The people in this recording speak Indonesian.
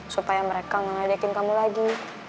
supaya mereka gak ngadekin kamu lagi